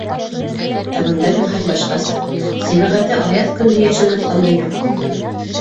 Ә бында бит хәл башҡаса: Сибәғәте аяҙ көндө йәшен атҡандай юҡ булды!